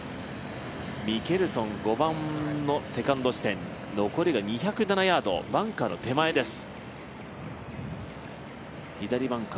ミケルソン、５番のセカンド地点、残りが２０７ヤード、左バンカーの手前です。